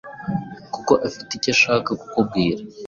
kuko afite icyo ashaka kukubwira.’”